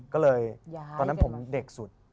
ก็เลยตอนนั้นผมเด็กสุด